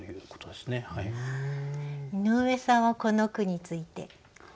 井上さんはこの句について？